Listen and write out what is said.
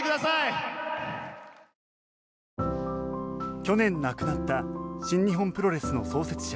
去年亡くなった新日本プロレスの創設者